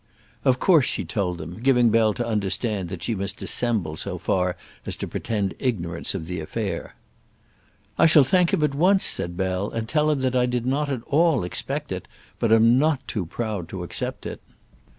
Of course she told them, giving Bell to understand that she must dissemble so far as to pretend ignorance of the affair. "I shall thank him at once," said Bell; "and tell him that I did not at all expect it, but am not too proud to accept it."